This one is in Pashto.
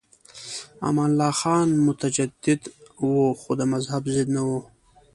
امان الله خان متجدد و خو د مذهب ضد نه و.